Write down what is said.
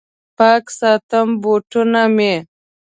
پاک ساتم بوټونه مې